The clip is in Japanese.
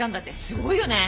すごいよね！